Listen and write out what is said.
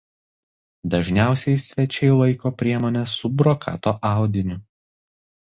Dažniausiai svečiai laiko priemones su brokato audiniu.